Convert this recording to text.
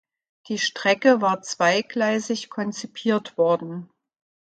Die Strecke war zweigleisig konzipiert worden.